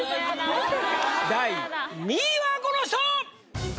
第２位はこの人！